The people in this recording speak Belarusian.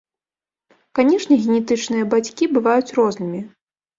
Канешне, генетычныя бацькі бываюць рознымі.